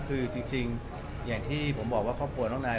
คือจริงอย่างที่ผมบอกว่าครอบครัวน้องนาย